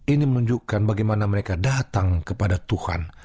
ini menunjukkan bagaimana mereka datang kepada tuhan